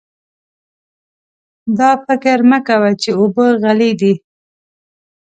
دا فکر مه کوه چې اوبه غلې دي.